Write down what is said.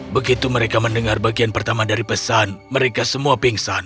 begitu mereka mendengar bagian pertama dari pesan mereka semua pingsan